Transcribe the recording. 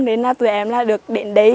nên tụi em được đến đây